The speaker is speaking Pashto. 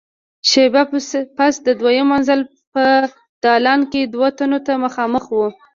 شېبه پس د دويم منزل په دالان کې دوو تنو ته مخامخ وو.